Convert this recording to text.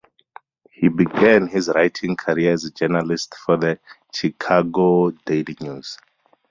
He began his writing career as a journalist for the "Chicago Daily News".